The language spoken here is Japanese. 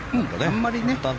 あんまりね。